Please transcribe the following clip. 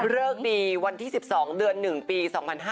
เลิกดีวันที่๑๒เดือน๑ปี๒๕๕๙